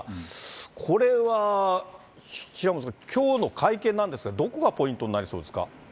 これは平本さん、きょうの会見なんですが、どこがポイントになりそうですか。